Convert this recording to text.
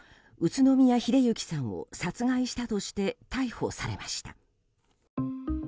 宇都宮秀之さんを殺害したとして逮捕されました。